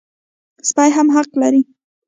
سپي هم حق لري.